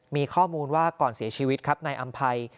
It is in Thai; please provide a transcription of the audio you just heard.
มีข้อมูลว่าก่อนเสียชีวิตครับนายอำภัย